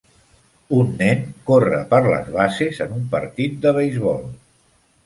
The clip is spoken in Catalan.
Un nen corre per les bases en un partit de beisbol.